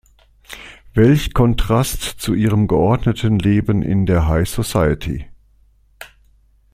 Welch Kontrast zu ihrem geordneten Leben in der High Society.